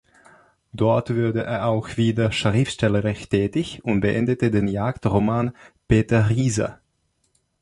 Dort wurde er auch wieder schriftstellerisch tätig und beendete den Jagd-Roman "Peter Rieser".